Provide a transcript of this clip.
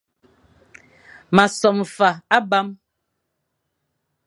M a som fa abam,